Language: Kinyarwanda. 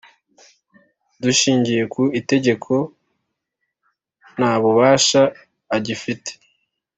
Dushingiye ku Itegeko ntabubasha agifite